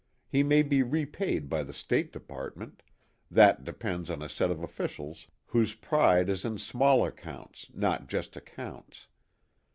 He may be repaid by the State Department that depends on a set of officials whose pride is in small accounts not just accounts.